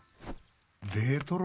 レトロ。